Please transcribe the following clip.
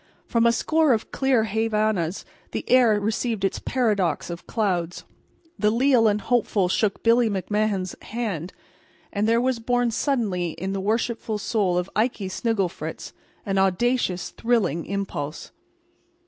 From a score of clear Havanas the air received its paradox of clouds. The leal and the hopeful shook Billy McMahan's hand. And there was born suddenly in the worshipful soul of Ikey Snigglefritz an audacious, thrilling impulse.